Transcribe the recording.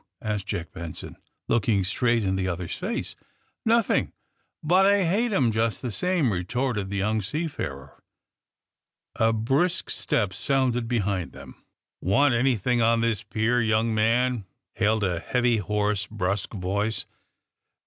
asked Jack Benson, looking straight into the other's face. Nothing, but I hate 'em just the same," re torted the young seafarer. A brisk step sounded behind them. *^Want anything on this pier, young man?" hailed a heavy, hoarse, brusque voice.